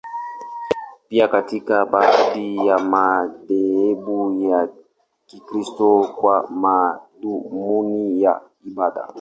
Pia katika baadhi ya madhehebu ya Kikristo, kwa madhumuni ya ibada.